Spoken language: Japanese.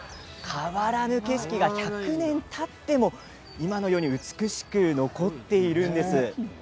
変わらぬ景色が１００年たっても、今のように美しく残っているんです。